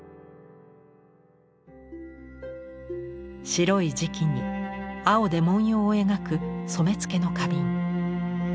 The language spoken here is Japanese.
白い磁器に青で文様を描く染付の花瓶。